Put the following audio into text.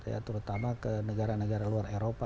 ya terutama ke negara negara luar eropa